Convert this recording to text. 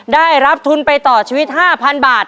ได้รับทุนไปต่อชีวิตห้าพันบาท